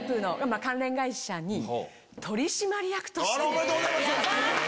おめでとうございます！